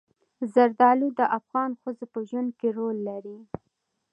زردالو د افغان ښځو په ژوند کې رول لري.